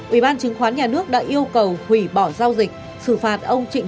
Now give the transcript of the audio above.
ủy ban chứng khoán nhà nước đã yêu cầu hủy bỏ giao dịch